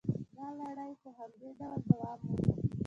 دا لړۍ په همدې ډول دوام مومي